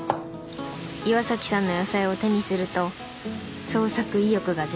岩さんの野菜を手にすると創作意欲が全開に。